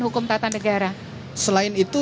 hukum tata negara selain itu